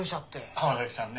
浜崎さんね